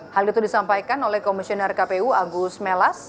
hal itu disampaikan oleh komisioner kpu agus melas